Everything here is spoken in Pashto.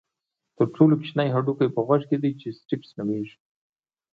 تر ټولو کوچنی هډوکی په غوږ کې دی چې سټیپس نومېږي.